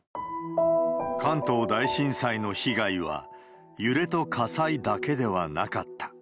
関東大震災の被害は、揺れと火災だけではなかった。